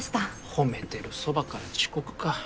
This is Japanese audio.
褒めてるそばから遅刻か。